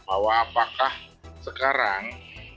bahwa apakah sekarang